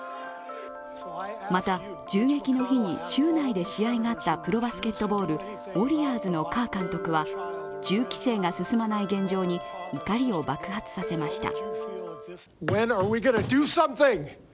また、銃撃の日に州内で試合があったプロバスケットボールのウォリアーズのカー監督は銃規制が進まない現状に怒りを爆発させました。